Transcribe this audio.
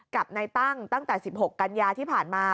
กับนายตั้งตั้งแต่๑๖กันยาที่ผ่านมา